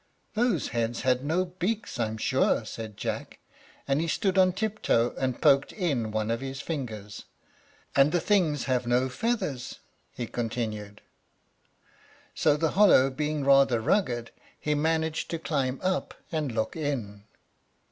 "Those heads had no beaks, I am sure," said Jack, and he stood on tiptoe and poked in one of his fingers. "And the things have no feathers," he continued; so, the hollow being rather rugged, he managed to climb up and look in.